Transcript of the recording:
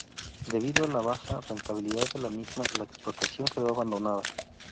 Debido a la baja rentabilidad de la misma, la explotación quedó abandonada.